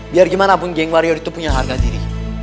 biar gimana pun geng warrior itu punya harga diri